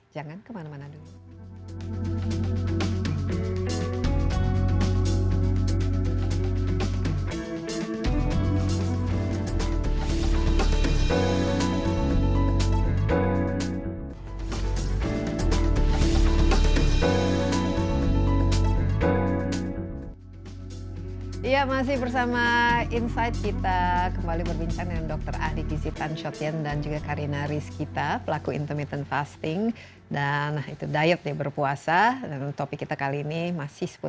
jangan kemana mana dulu